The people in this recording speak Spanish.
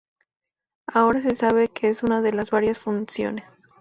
Ahora se sabe que es una de las varias funciones.